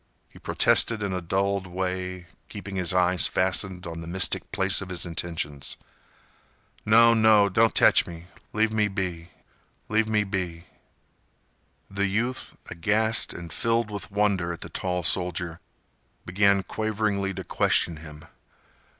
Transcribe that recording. He protested in a dulled way, keeping his eyes fastened on the mystic place of his intentions. "No—no—don't tech me—leave me be—leave me be—" The youth, aghast and filled with wonder at the tall soldier, began quaveringly to question him.